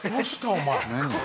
お前。